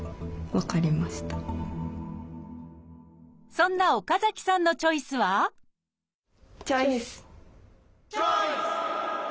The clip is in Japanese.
そんな岡崎さんのチョイスはチョイス！